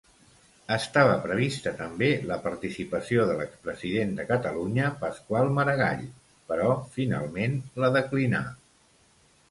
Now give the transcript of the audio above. Estava prevista també la participació de l'expresident de Catalunya Pasqual Maragall, però finalment la declinà.